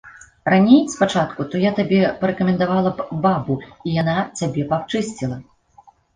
Раней, спачатку, то я табе парэкамендавала б бабу, і яна цябе б ачысціла.